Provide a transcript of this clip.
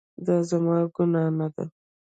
دا زما ګناه نه ده